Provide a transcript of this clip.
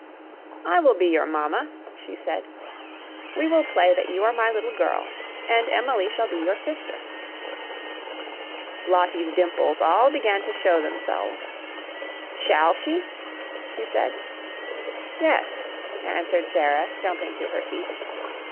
"I will be your mamma," she said. "We will play that you are my little girl. And Emily shall be your sister." Lottie's dimples all began to show themselves. "Shall she?" she said. "Yes," answered Sara, jumping to her feet.